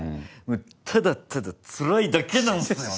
もうただただつらいだけなんすよね！